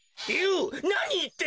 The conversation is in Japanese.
なにいってんの？